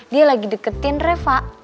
dia lagi deketin reva